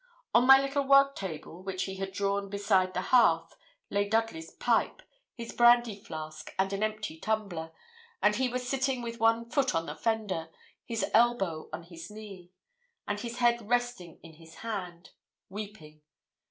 On my little work table, which he had drawn beside the hearth, lay Dudley's pipe, his brandy flask, and an empty tumbler; and he was sitting with one foot on the fender, his elbow on his knee, and his head resting in his hand, weeping.